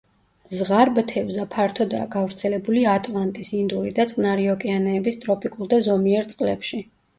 ზღარბთევზა ფართოდაა გავრცელებული ატლანტის, ინდური და წყნარი ოკეანეების ტროპიკულ და ზომიერ წყლებში.